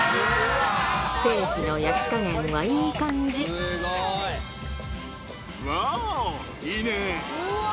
ステーキの焼き加減はいい感わお、いいね。